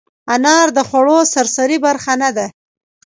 انار د خوړو سرسري برخه نه ده.